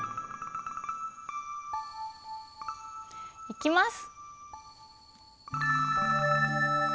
いきます！